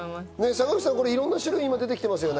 坂口さん、いろんな種類出てきてますね。